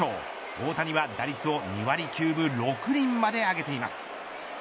大谷は打率を２割９分６厘まで上げています。